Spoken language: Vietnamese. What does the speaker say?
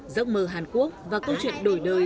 giấc mơ hàn quốc và câu chuyện đổi đời